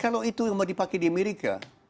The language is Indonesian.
kalau itu yang mau dipakai di amerika